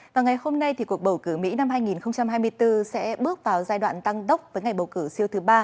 và ngày hôm nay thì cuộc bầu cử mỹ năm hai nghìn hai mươi bốn sẽ bước vào giai đoạn tăng đốc với ngày bầu cử siêu thứ ba